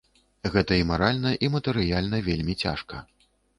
Гэта і маральна, і матэрыяльна вельмі цяжка.